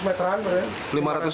lima ratus meteran berani